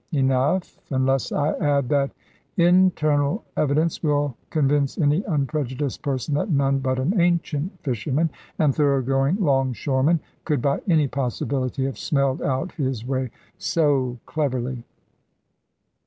Enough, unless I add that internal evidence will convince any unprejudiced person that none but an ancient fisherman, and thorough going long shore man, could by any possibility have smelled out his way so cleverly.